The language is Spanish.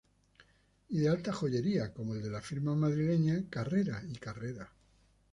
Y de alta joyería, como el de la firma madrileña Carrera y Carrera.